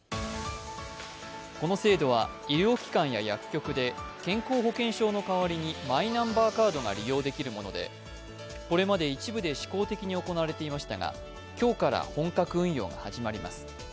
この制度は医療機関や薬局で健康保険証の代わりにマイナンバーカードが利用できるものでこれまで一部で試行的に行われていましたが、今日から本格運用が始まります。